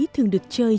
thường được chơi